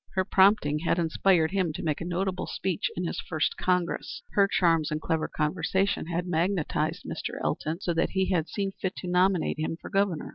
Her prompting had inspired him to make a notable speech in his first Congress. Her charms and clever conversation had magnetized Mr. Elton so that he had seen fit to nominate him for Governor.